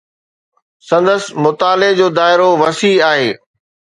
سندس مطالعي جو دائرو وسيع آهي.